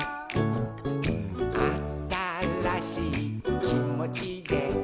「あたらしいきもちで」